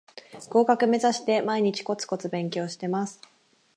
合格めざして毎日コツコツ勉強してます